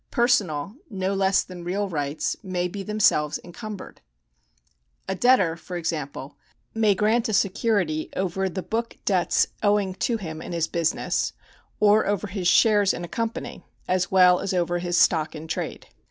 Personal, no less than real rights may be themselves encumbered. A debtor, for example, may grant a security over the book debts owing to him in his business or over his shares in a company, as well as over his stock in trade.